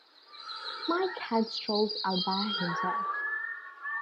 Mike had strolled out by himself.